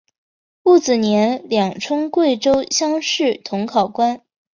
庚子年两充贵州乡试同考官。